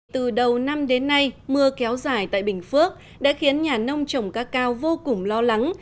từ đầu năm đến nay mưa kéo dài tại bình phước đã khiến nhà nông trồng các cao vô cùng lo lắng